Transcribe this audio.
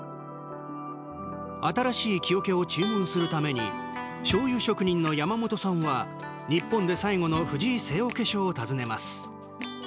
新しい木おけを注文するためにしょうゆ職人の山本さんは日本で最後の藤井製桶所を訪ねます。